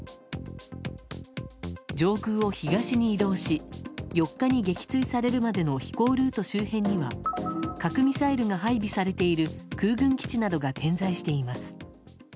上空を東に移動し４日に撃墜されるまでの飛行ルート周辺には核ミサイルが配備されている空軍基地などが点在しています。